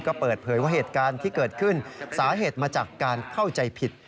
ก็เปิดเผยว่าเหตุการณ์ที่เกิดขึ้นสาเหตุมาจากการเข้าใจผิด